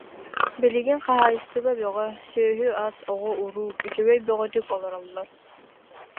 Билигин хаһаайыстыба бөҕө, сүөһү-ас, оҕо-уруу, үчүгэй бөҕөтүк олороллор